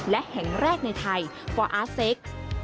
และแห่งแรกในไทยฟอร์อาร์เซ็กซ์